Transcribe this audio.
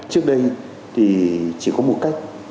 trước đây thì chỉ có một cách